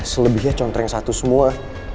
selebihnya contreng satu semua